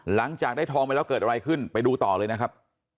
หลังจากได้ทองไปแล้วเกิดอะไรขึ้นไปดูต่อเลยนะครับ